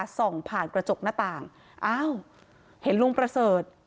ส่องผ่านกระจกหน้าต่างอ้าวเห็นลุงประเสริฐ